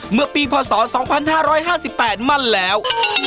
เมื่อปีพศ๒๕๕๘มั่นแล้ว